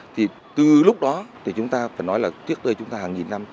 thì từ lúc đó thì chúng ta phải nói là tuyết đời chúng ta hàng nghìn năm